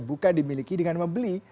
buka dimiliki dengan membeli